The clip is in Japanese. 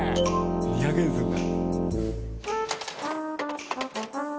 ２００円するんだ。